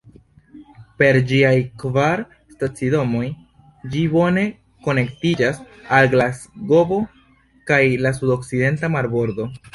Per ĝiaj kvar stacidomoj ĝi bone konektiĝas al Glasgovo kaj la sudokcidenta marbordo.